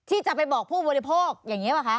ที่จะไปบอกผู้บริโภคอย่างนี้ป่ะคะ